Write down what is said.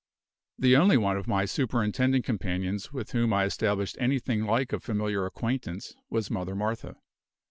The only one of my superintending companions with whom I established anything like a familiar acquaintance was Mother Martha.